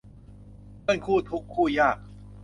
เพื่อนคู่ทุกข์คู่ยาก